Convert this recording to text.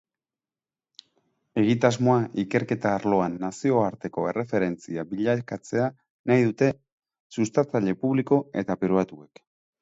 Egitasmoa ikerketa arloan nazioarteko erreferentzia bilakatzea nahi dute sustatzaile publiko eta pribatuek.